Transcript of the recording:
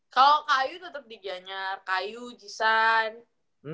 kalo kak ayu tetep di giyanyar kak ayu jisan eka